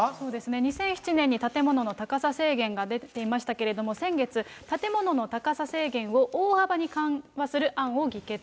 ２００７年に建物の高さ制限が出来ましたけど、先月建物の高さ制限を大幅に緩和する案を議決。